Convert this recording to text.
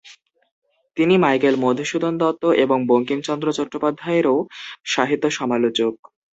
তিনি মাইকেল মধুসূদন দত্ত এবং বঙ্কিমচন্দ্র চট্টোপাধ্যায়েরও সাহিত্য সমালোচক।